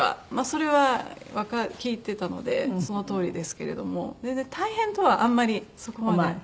それは聞いてたのでそのとおりですけれども全然大変とはあんまりそこまで。